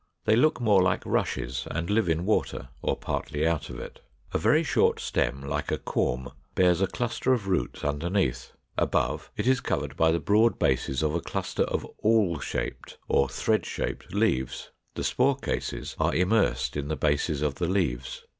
They look more like Rushes, and live in water, or partly out of it. A very short stem, like a corm, bears a cluster of roots underneath; above it is covered by the broad bases of a cluster of awl shaped or thread shaped leaves. The spore cases are immersed in the bases of the leaves.